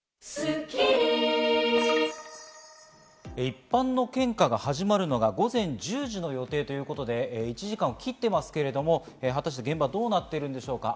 一般の献花が始まるのが午前１０時の予定ということで、１時間きっていますが、果たして現場はどうなっているんでしょうか？